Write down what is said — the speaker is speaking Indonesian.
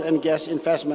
dan mencapai target dual